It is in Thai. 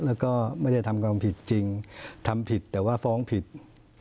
แล้วก็ไม่ได้ทำความผิดจริงทำผิดแต่ว่าฟ้องผิด